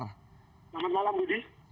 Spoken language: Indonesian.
selamat malam budi